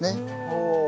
ほう。